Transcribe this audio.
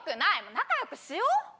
仲良くしよう？